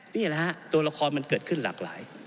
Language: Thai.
นี่แหละฮะตัวละครมันเกิดขึ้นหลากหลาย